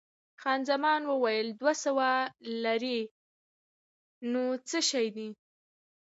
خان زمان وویل، دوه سوه لیرې نو څه شی دي؟